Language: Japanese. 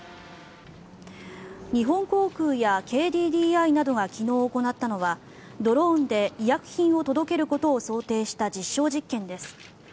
日本航空やＫＤＤＩなどが昨日行ったのはドローンで医薬品を届けることを想定した実証実験です。